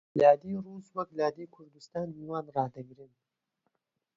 لادێی ڕووس وەک لادێی کوردستان میوان ڕادەگرن